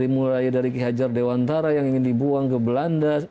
mulai dari ki hajar dewantara yang ingin dibuang ke belanda